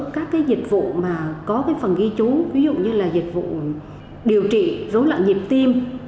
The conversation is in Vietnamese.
các cái dịch vụ mà có cái phần ghi chú ví dụ như là dịch vụ điều trị rối loạn nhịp tim